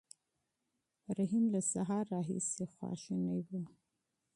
رحیم له سهار راهیسې په غوسه و.